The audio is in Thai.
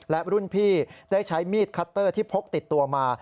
และรุ่นพี่ได้ใช้มีดคัตเตอร์ที่พกติดตัวมา